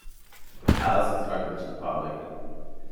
The palace is open to the public.